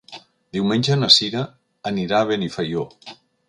Diumenge na Cira anirà a Benifaió.